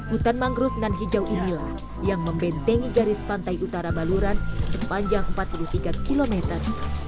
hutan mangrove nan hijau inilah yang membentengi garis pantai utara baluran sepanjang empat puluh tiga kilometer